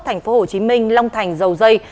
thành phố hồ chí minh long thành dầu dây